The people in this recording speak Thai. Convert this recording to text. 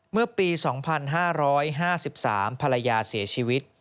เมื่อปี๒๕๕๓ภรรยาเสียชีวิต